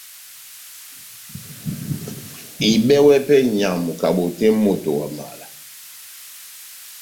Ihibɛwɛ pɛhɛ nʼnyamu kabotè moto wa mala